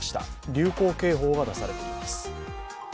流行警報が出されています。